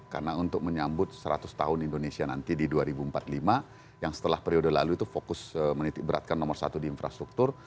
karena untuk menyambut seratus tahun indonesia nanti di dua ribu empat puluh lima yang setelah periode lalu itu fokus menitik beratkan nomor satu di infrastruktur